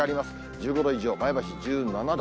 １５度以上、前橋１７度。